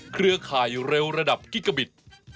เครือข่ายเร็วระดับกิกาบิต